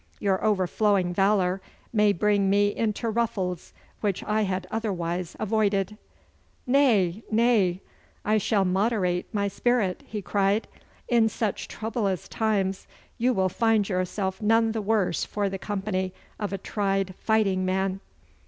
Your overflowing valour may bring me into ruffles which I had otherwise avoided.' 'Nay, nay! I shall moderate my spirit,' he cried. 'In such troublous times you will find yourself none the worse for the company of a tried fighting man.